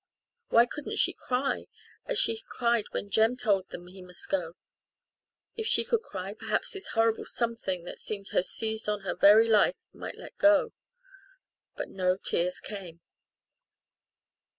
Why couldn't she cry, as she had cried when Jem told them he must go? If she could cry perhaps this horrible something that seemed to have seized on her very life might let go. But no tears came!